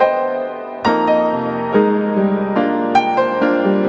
aku gak dengerin kata kata kamu mas